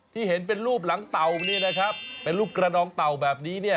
เห็นเป็นรูปหลังเต่าเนี่ยนะครับเป็นรูปกระดองเต่าแบบนี้เนี่ย